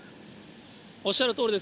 おっしゃるとおりです。